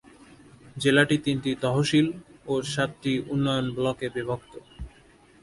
জেলাটি তিনটি তহশিল ও সাতটি উন্নয়ন ব্লকে বিভক্ত।